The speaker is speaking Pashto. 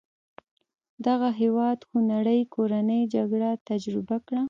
دغه هېواد خونړۍ کورنۍ جګړه تجربه کړه.